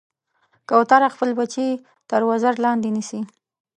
کوتره خپل کوچني بچي تر وزر لاندې نیسي.